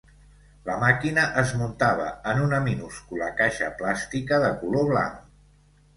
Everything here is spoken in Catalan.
La màquina es muntava en una minúscula caixa plàstica de color blanc.